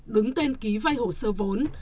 đứng tên ký vay hồ sơ vốn